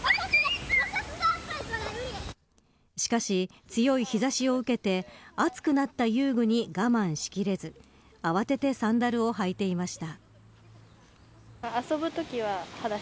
しかし、強い日差しを受けて熱くなった遊具に我慢しきれず慌ててサンダルを履いていました。